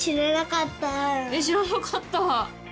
知らなかった！